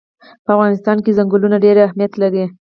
په افغانستان کې ځنګلونه ډېر اهمیت لري.